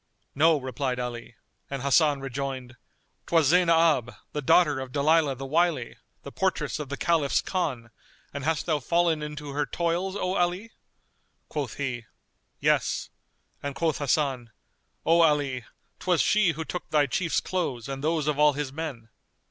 "No," replied Ali; and Hasan rejoined, "'Twas Zaynab, the daughter of Dalilah the Wily, the portress of the Caliph's Khan; and hast thou fallen into her toils, O Ali?" Quoth he, "Yes," and quoth Hasan, "O Ali, 'twas she who took thy Chief's clothes and those of all his men."